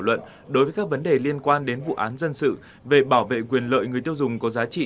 luận đối với các vấn đề liên quan đến vụ án dân sự về bảo vệ quyền lợi người tiêu dùng có giá trị